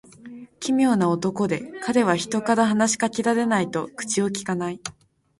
奇妙な男で、彼は人から話し掛けられないと口をきかない。